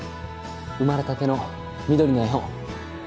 生まれたてのみどりの絵本